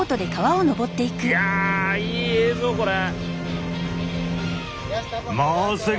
いやいい映像これ。